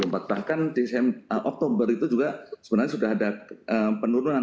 bahkan di oktober itu juga sebenarnya sudah ada penurunan